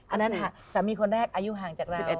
อันนั้นสามีคนแรกอายุห่างจาก๑๑